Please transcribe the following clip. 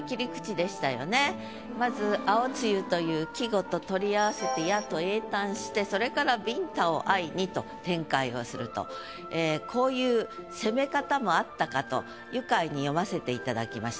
まず「青梅雨」という季語と取り合わせて「や」と詠嘆してそれから「ビンタを愛に」と展開をすると。と愉快に読ませていただきました。